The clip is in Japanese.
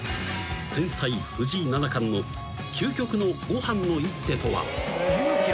［天才藤井七冠の究極のごはんの一手とは］